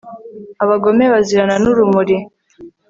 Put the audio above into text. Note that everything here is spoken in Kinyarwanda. abagome bazirana n'urumuri